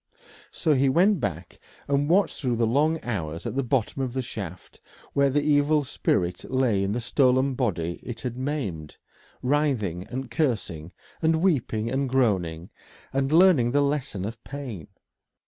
So he went back and watched through the long hours at the bottom of the shaft where the evil spirit lay in the stolen body it had maimed, writhing and cursing, and weeping and groaning, and learning the lesson of pain.